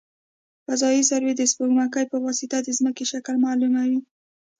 فضايي سروې د سپوږمکۍ په واسطه د ځمکې شکل معلوموي